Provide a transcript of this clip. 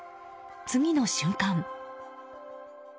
次の瞬間